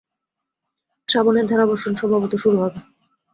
শ্রাবণের ধারাবর্ষণ সম্ভবত শুরু হবে।